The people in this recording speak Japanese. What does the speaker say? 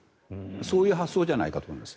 そういう発想じゃないかと思います。